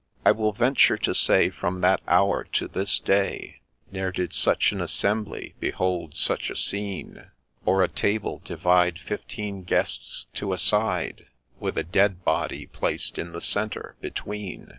I will venture to say, from that hour to this day, Ne'er did such an assembly behold such a scene ; Or a table divide fifteen guests of a side With a dead body placed in the centre between.